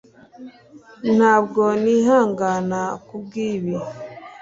ntabwo nihangana kubwibi